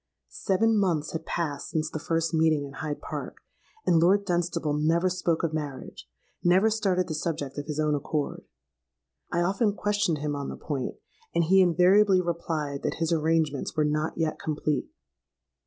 "Seven months had passed since the first meeting in Hyde Park; and Lord Dunstable never spoke of marriage—never started the subject of his own accord. I often questioned him on the point; and he invariably replied that his arrangements were not yet complete.